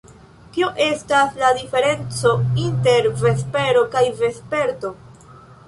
Kio estas la diferenco inter vespero kaj vesperto?